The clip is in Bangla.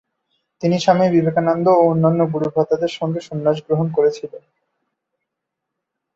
তিনি স্বামী বিবেকানন্দ ও অন্যান্য গুরুভ্রাতাদের সঙ্গে সন্ন্যাস গ্রহণ করেছিলেন।